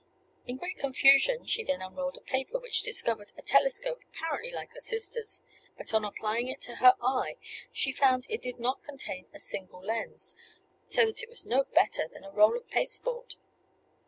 In great confusion she then unrolled a paper which discovered a telescope apparently like her sister's; but on applying it to her eye, she found it did not contain a single lens so that it was no better than a roll of pasteboard.